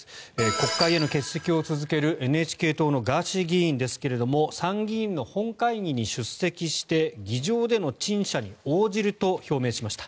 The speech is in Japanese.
国会への欠席を続けるＮＨＫ党のガーシー議員ですが参議院の本会議に出席して議場での陳謝に応じると表明しました。